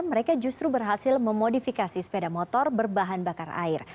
mereka justru berhasil memodifikasi sepeda motor berbahan bakar air